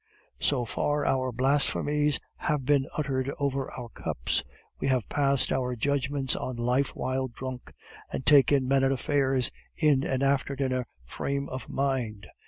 "So far our blasphemies have been uttered over our cups; we have passed our judgments on life while drunk, and taken men and affairs in an after dinner frame of mind.